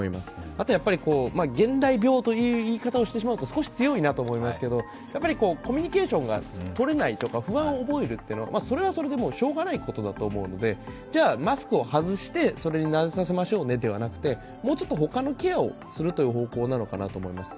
あと、現代病という言い方をしてしまうと少し強いなと思いますけど、コミュニケーションをとれない、不安を覚えるというのはそれはそれでしょうがないと思うので、じゃマスクを外して、それに慣れさせましょうねではなくてもうちょっと他のケアをするという方向なのかなと思います。